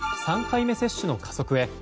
３回目接種の加速へ。